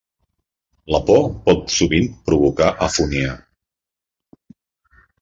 La por pot sovint provocar afonia.